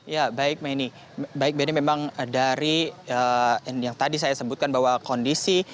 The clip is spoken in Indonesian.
ya baik meni baik meni memang dari yang tadi saya sebutkan bahwa kondisi